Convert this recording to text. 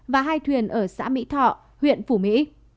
và hai thuyền ở xã mỹ thọ huyện phủ mỹ